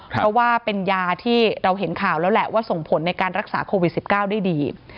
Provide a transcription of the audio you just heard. เพราะว่าเป็นยาที่เราเห็นข่าวแล้วแหละว่าส่งผลในการรักษาโควิด๑๙ได้ดี